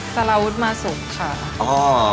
สารวุฒิมาสุกค่ะ